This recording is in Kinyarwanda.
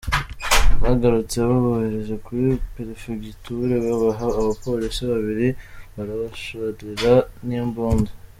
Bagarutse babohereje kuri perefegitura, babaha abapolisi babiri barabashorera n’imbunda.